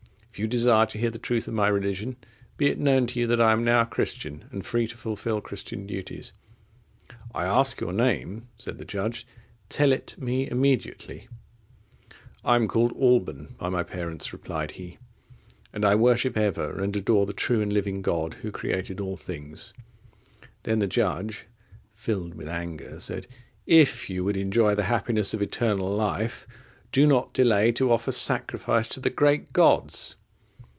If you desire to hear the truth of my religion, be it known to you, that I am now a Christian, and free to fulfil Christian duties."—"I ask your name," said the judge; "tell me it immediately."—"I am called Alban by my parents," replied he; "and I worship ever and adore the true and living God, Who created all things." Then the judge, filled with anger, said, "If you would enjoy the happiness of eternal life, do not delay to offer sacrifice to the great gods."